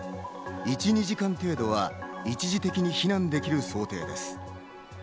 １２時間程度は一時的に避難できる想定です。